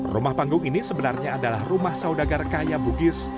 rumah panggung ini sebenarnya adalah rumah saudagar kaya bugis